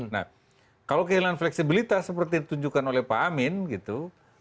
nah kalau kehilangan fleksibilitas seperti ditunjukkan oleh pak amin gitu